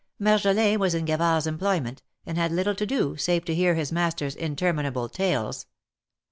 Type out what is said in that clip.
Marjolin was in Gavard's employment, and had little to do, save to hear his master's interminable tales.